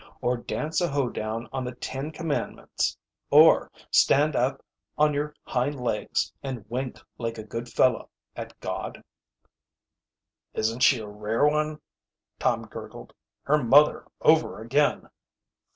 Or dance a hoe down on the ten commandments? Or stand up on your hind legs and wink like a good fellow at God?" "Isn't she a rare one!" Tom gurgled. "Her mother over again."